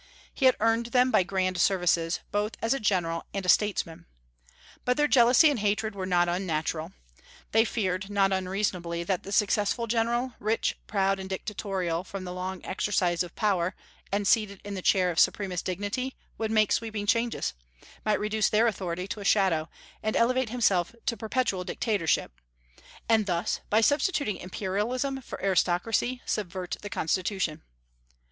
He had earned them by grand services, both as a general and a statesman. But their jealousy and hatred were not unnatural. They feared, not unreasonably, that the successful general rich, proud, and dictatorial from the long exercise of power, and seated in the chair of supremest dignity would make sweeping changes; might reduce their authority to a shadow, and elevate himself to perpetual dictatorship; and thus, by substituting imperialism for aristocracy, subvert the Constitution.